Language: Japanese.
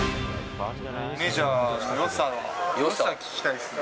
メジャーのよさを聞きたいですね。